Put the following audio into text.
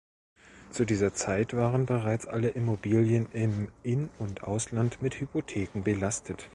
Zu dieser Zeit waren bereits alle Immobilien im In- und Ausland mit Hypotheken belastet.